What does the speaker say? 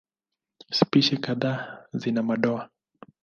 Spishi kadhaa zina madoa.